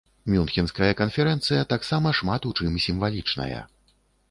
Мюнхенская канферэнцыя таксама шмат у чым сімвалічная.